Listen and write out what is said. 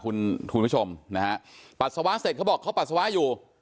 คุณผู้ชมนะฮะปัสสาวะเสร็จเขาบอกเขาปัสสาวะอยู่